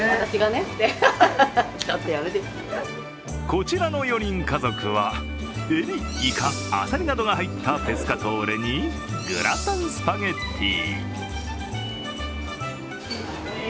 こちらの４人家族は、えび、イカ、あさりなどが入ったペスカトーレにグラタンスパゲッティ。